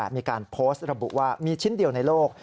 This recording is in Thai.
มีการโพสต์ระบุว่ามีชิ้นเดียวในโลก